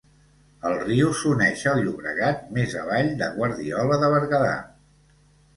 El riu s'uneix al Llobregat més avall de Guardiola de Berguedà.